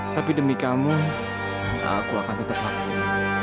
tapi demi kamu aku akan tetap lakuin